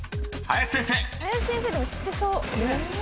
林先生でも知ってそう。